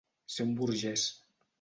Ser un burgès.